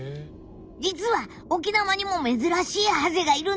実は沖縄にも珍しいハゼがいるんだ。